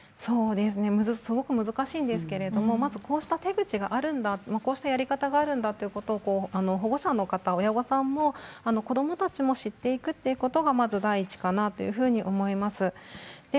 すごく難しいんですけれどまずこうした手口があるんだということこうしたやり方があるということを保護者、親御さんや子どもたちも知っていくということがまず大事かなというふうに思います。